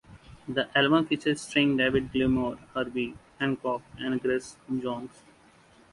The album featured Sting, David Gilmour, Herbie Hancock and Grace Jones.